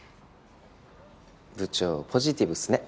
部長ポジティブっすね。